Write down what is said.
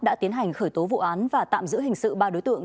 đã tiến hành khởi tố vụ án và tạm giữ hình sự ba đối tượng